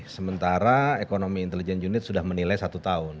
sementara ekonomi intelijen unit sudah menilai satu tahun